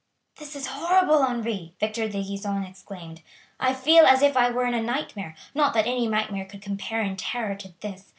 "This is horrible, Henri!" Victor de Gisons exclaimed. "I feel as if I were in a nightmare, not that any nightmare could compare in terror to this.